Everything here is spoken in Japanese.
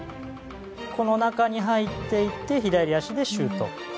この中に入って行って左足でシュート。